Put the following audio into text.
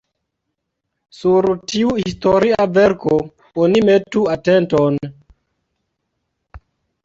Sur tiu historia verko oni metu atenton.